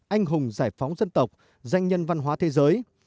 anh hùng giải phóng dân tộc danh nhân văn hóa thế giới